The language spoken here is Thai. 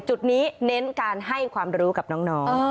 จุดนี้เน้นการให้ความรู้กับน้อง